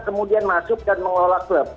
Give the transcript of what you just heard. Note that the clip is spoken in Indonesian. kemudian masuk dan mengelola klub